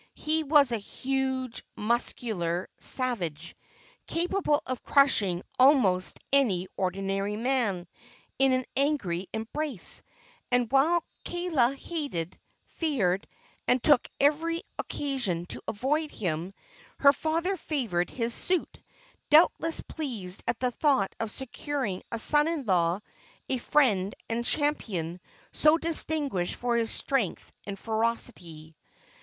He was a huge, muscular savage, capable of crushing almost any ordinary man in an angry embrace; and while Kaala hated, feared and took every occasion to avoid him, her father favored his suit, doubtless pleased at the thought of securing in a son in law a friend and champion so distinguished for his strength and ferocity.